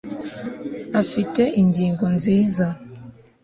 afite ingingo nziza